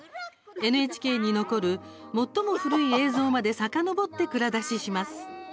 ＮＨＫに残る最も古い映像までさかのぼって蔵出しします。